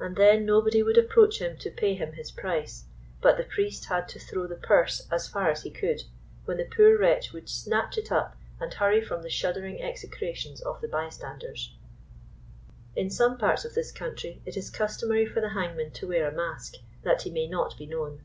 And then nobody would approach him to pay him his price, but the priest had to throw the purse as far as he could, when the poor wretch would snatch it up and hurry from the shuddering execrations of the bystanders. In some parts of this country it is customary for the hangman to wear a mask, that he may not be known.